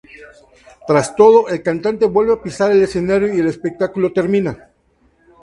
Tras todo, la cantante vuelve a pisar el escenario y el espectáculo termina.